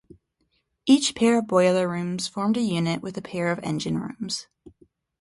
Each pair of boiler rooms formed a unit with a pair of engine rooms.